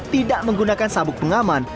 tidak menggunakan sabuk pengaman